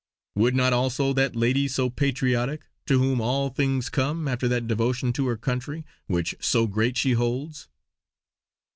Would not also that lady so patriotic, to whom all things come after that devotion to her country, which so great she holds?"